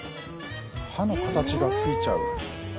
歯の形がついちゃう。